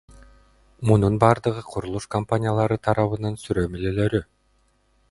Мунун бардыгы курулуш компаниялары тарабынын сүрөмөлөөлөрү.